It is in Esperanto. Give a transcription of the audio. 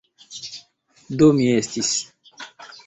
Do mi estis...